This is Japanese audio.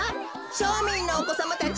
しょみんのおこさまたち。